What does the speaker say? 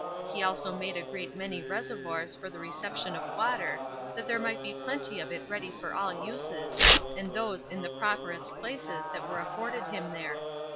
He also made a great many reservoirs for the reception of water, that there might be plenty of it ready for all uses, and those in the properest places that were afforded him there.